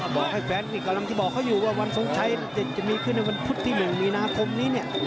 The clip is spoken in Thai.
บอกให้แฟนอร่างที่บอกเขาอยู่ว่าวันสงครรภ์ใจจะมีขึ้นในวันพุทธที่หมุนมีนาคมนี้เนี่ย